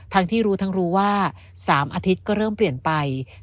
ทั้งที่รู้ทั้งรู้ว่า๓อาทิตย์ก็เริ่มเปลี่ยนไป